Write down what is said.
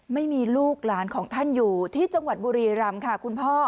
ไม่มีลูกหลานของท่านอยู่ที่จังหวัดบุรีรำค่ะคุณพ่อ